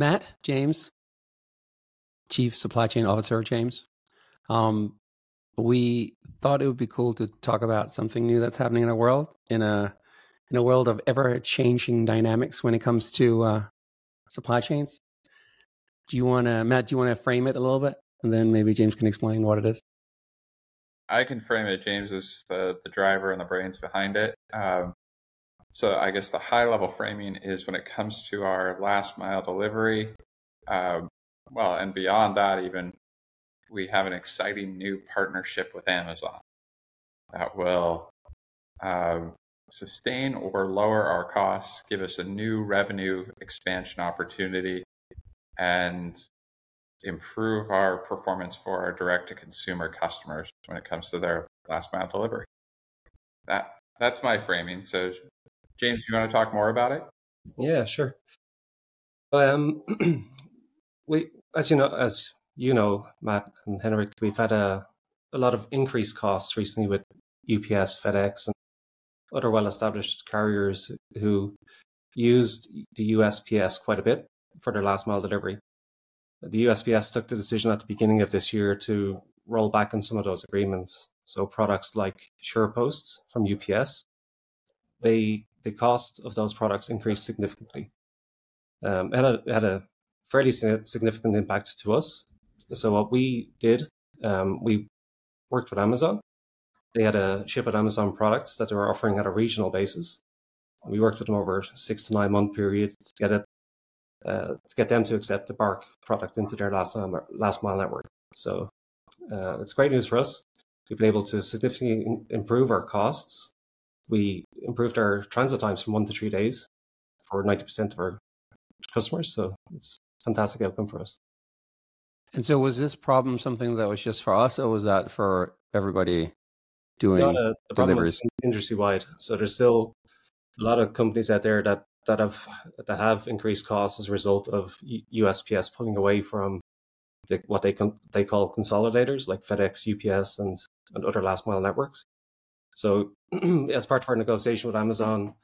Matt? James. Chief Supply Chain Officer James. We thought it would be cool to talk about something new that's happening in our world, in a world of ever-changing dynamics when it comes to supply chains. Do you want to, Matt, frame it a little bit? And then maybe James can explain what it is. I can frame it. James is the driver and the brains behind it. So I guess the high-level framing is when it comes to our last-mile delivery, well, and beyond that even, we have an exciting new partnership with Amazon that will sustain or lower our costs, give us a new revenue expansion opportunity, and improve our performance for our direct-to-consumer customers when it comes to their last-mile delivery. That, that's my framing. So, James, do you want to talk more about it? Yeah, sure. Well, we, as you know, Matt and Henrik, we've had a lot of increased costs recently with UPS, FedEx, and other well-established carriers who used the USPS quite a bit for their last-mile delivery. The USPS took the decision at the beginning of this year to roll back on some of those agreements. So products like SurePost from UPS, the cost of those products increased significantly. And it had a fairly significant impact to us. So what we did, we worked with Amazon. They had a shipment of Amazon products that they were offering on a regional basis. We worked with them over a six-to-nine-month period to get them to accept the Bark product into their last-mile network. So, it's great news for us. We've been able to significantly improve our costs. We improved our transit times from one to three days for 90% of our customers, so it's a fantastic outcome for us. Was this problem something that was just for us, or was that for everybody doing deliveries? The problem is industry-wide. So there's still a lot of companies out there that have increased costs as a result of USPS pulling away from what they call consolidators, like FedEx, UPS, and other last-mile networks. So as part of our negotiation with Amazon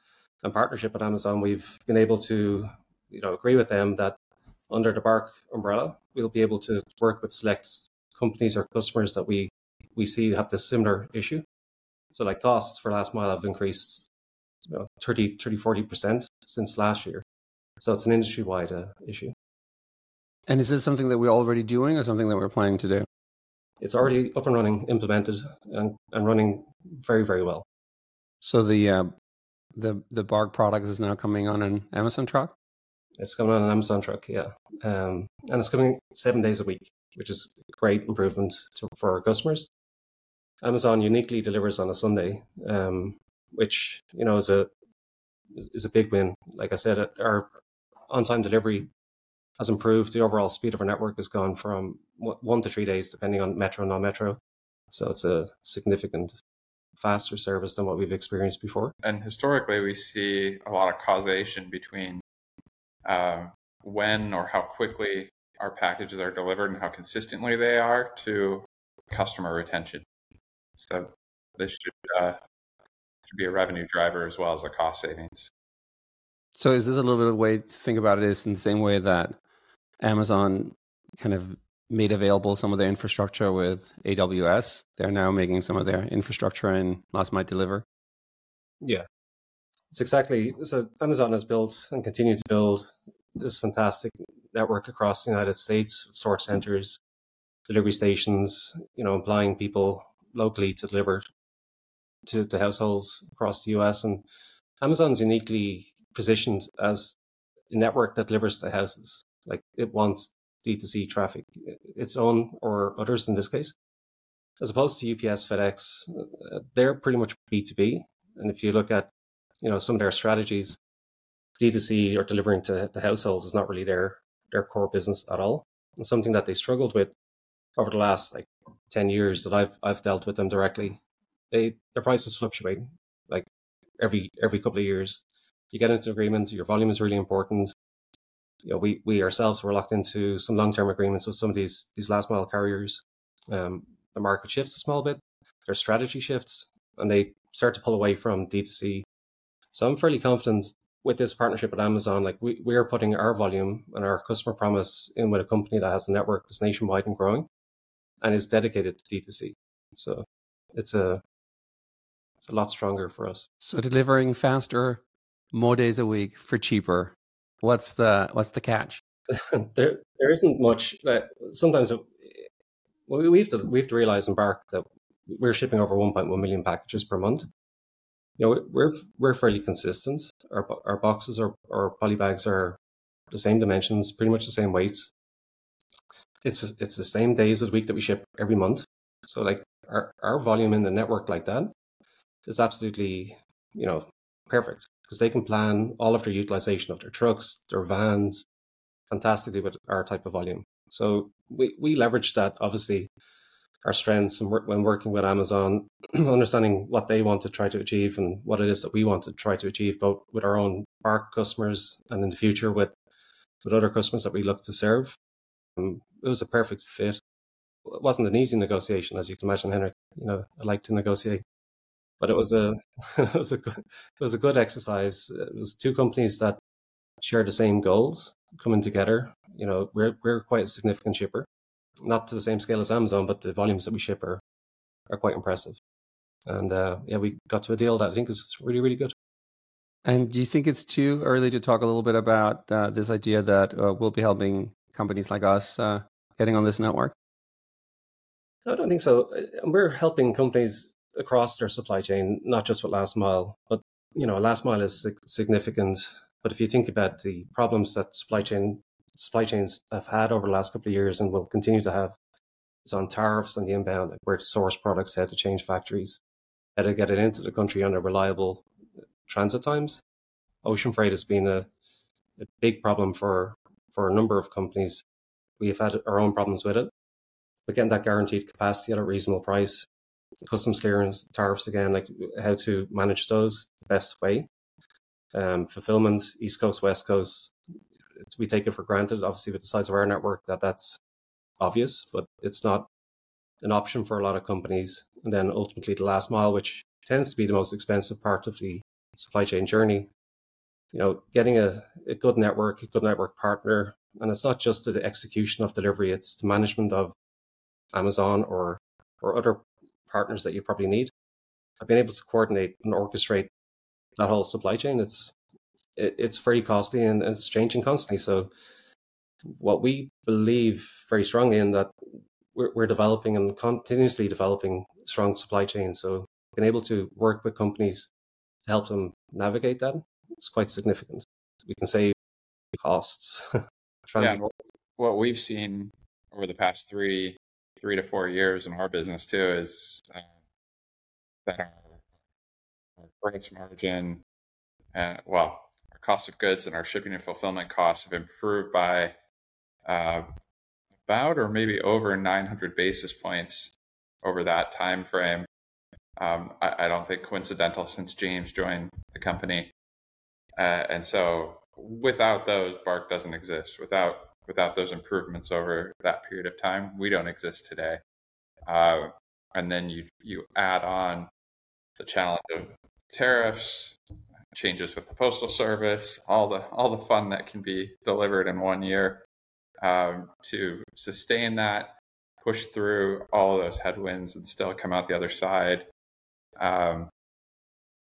and partnership with Amazon, we've been able to, you know, agree with them that under the BARK umbrella, we'll be able to work with select companies or customers that we see have this similar issue. So like costs for last-mile have increased, you know, 30-40% since last year. So it's an industry-wide issue. Is this something that we're already doing or something that we're planning to do? It's already up and running, implemented, and running very, very well. The BARK product is now coming on an Amazon truck? It's coming on an Amazon truck, yeah, and it's coming seven days a week, which is a great improvement for our customers. Amazon uniquely delivers on a Sunday, which, you know, is a big win. Like I said, our on-time delivery has improved. The overall speed of our network has gone from one to three days, depending on metro or non-metro. So it's a significant faster service than what we've experienced before. And historically, we see a lot of causation between when or how quickly our packages are delivered and how consistently they are to customer retention. So this should be a revenue driver as well as a cost savings. So is this a little bit of a way to think about it in the same way that Amazon kind of made available some of their infrastructure with AWS? They're now making some of their infrastructure in last-mile delivery? Yeah. It's exactly. So Amazon has built and continues to build this fantastic network across the United States with sort centers, delivery stations, you know, employing people locally to deliver to households across the U.S. And Amazon's uniquely positioned as a network that delivers to houses. Like it wants D2C traffic, its own or others in this case. As opposed to UPS, FedEx, they're pretty much B2B. And if you look at, you know, some of their strategies, D2C or delivering to households is not really their core business at all. And something that they struggled with over the last, like, 10 years that I've dealt with them directly, their prices fluctuate, like, every couple of years. You get into agreements, your volume is really important. You know, we ourselves were locked into some long-term agreements with some of these last-mile carriers. The market shifts a small bit, their strategy shifts, and they start to pull away from D2C. So I'm fairly confident with this partnership with Amazon. Like we, we are putting our volume and our customer promise in with a company that has a network that's nationwide and growing and is dedicated to D2C. So it's a, it's a lot stronger for us. So delivering faster, more days a week for cheaper. What's the catch? There isn't much. Like sometimes we have to realize in BARK that we're shipping over 1.1 million packages per month. You know, we're fairly consistent. Our boxes or poly bags are the same dimensions, pretty much the same weights. It's the same days of the week that we ship every month. So like our volume in the network like that is absolutely, you know, perfect because they can plan all of their utilization of their trucks, their vans fantastically with our type of volume. So we leverage that, obviously, our strengths and when working with Amazon, understanding what they want to try to achieve and what it is that we want to try to achieve both with our own BARK customers and in the future with other customers that we look to serve. It was a perfect fit. It wasn't an easy negotiation, as you can imagine, Henrik. You know, I like to negotiate, but it was a good exercise. It was two companies that share the same goals coming together. You know, we're quite a significant shipper, not to the same scale as Amazon, but the volumes that we ship are quite impressive. And, yeah, we got to a deal that I think is really, really good. Do you think it's too early to talk a little bit about this idea that we'll be helping companies like us getting on this network? I don't think so. We're helping companies across their supply chain, not just with last mile, but, you know, last mile is significant. But if you think about the problems that supply chain, supply chains have had over the last couple of years and will continue to have, it's on tariffs and the inbound, like where to source products, how to change factories, how to get it into the country under reliable transit times. Ocean freight has been a big problem for a number of companies. We've had our own problems with it. We get that guaranteed capacity at a reasonable price. Customs clearance, tariffs, again, like how to manage those the best way. Fulfillment, East Coast, West Coast, we take it for granted, obviously, with the size of our network that that's obvious, but it's not an option for a lot of companies. Then ultimately, the last mile, which tends to be the most expensive part of the supply chain journey, you know, getting a good network partner. It's not just the execution of delivery. It's the management of Amazon or other partners that you probably need. I've been able to coordinate and orchestrate that whole supply chain. It's very costly and it's changing constantly. What we believe very strongly in is that we're developing and continuously developing strong supply chains. Being able to work with companies, help them navigate that, it's quite significant. We can save costs. What we've seen over the past three to four years in our business too is that our gross margin, well, our cost of goods and our shipping and fulfillment costs have improved by about or maybe over 900 basis points over that timeframe. I don't think it's coincidental since James joined the company. So without those, BARK doesn't exist. Without those improvements over that period of time, we don't exist today. Then you add on the challenge of tariffs, changes with the postal service, all the fun that can be delivered in one year to sustain that, push through all of those headwinds and still come out the other side,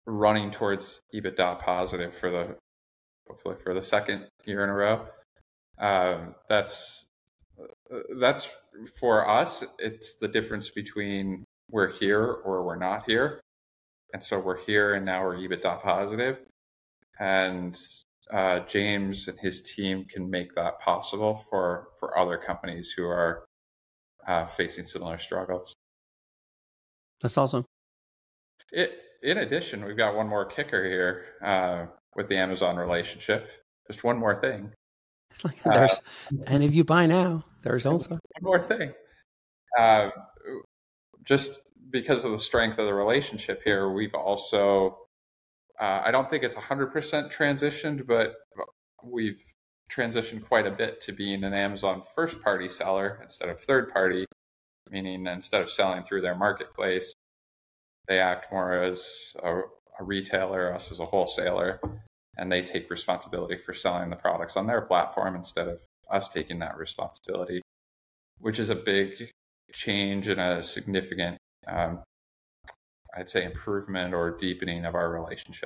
running towards EBITDA positive for the, hopefully for the second year in a row. That's for us. It's the difference between we're here or we're not here. We're here and now we're EBITDA positive. James and his team can make that possible for other companies who are facing similar struggles. That's awesome. In addition, we've got one more kicker here, with the Amazon relationship. Just one more thing. There's, and if you buy now, there's also. One more thing. Just because of the strength of the relationship here, we've also, I don't think it's 100% transitioned, but we've transitioned quite a bit to being an Amazon first-party seller instead of third-party, meaning instead of selling through their marketplace, they act more as a retailer, us as a wholesaler, and they take responsibility for selling the products on their platform instead of us taking that responsibility, which is a big change and a significant, I'd say improvement or deepening of our relationship.